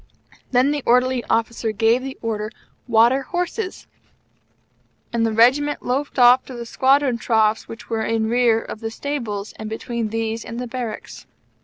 Then the Orderly Officer gave the order: "Water horses," and the Regiment loafed off to the squadron troughs, which were in rear of the stables and between these and the barracks.